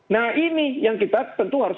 nah ini yang kita tentu harus